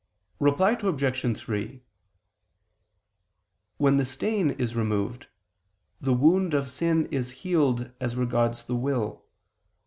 Reply Obj. 3: When the stain is removed, the wound of sin is healed as regards the will.